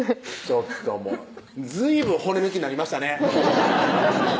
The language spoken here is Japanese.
ちょっともうずいぶん骨抜きなりましたね